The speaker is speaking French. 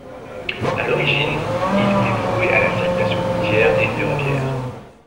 À l'origine, il était voué à la circulation routière et ferroviaire.